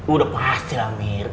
udah pasti lah mir